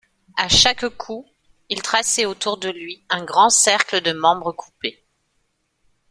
À chaque coup, il traçait autour de lui un grand cercle de membres coupés.